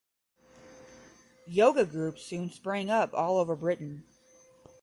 Yoga groups soon sprang up all over Britain.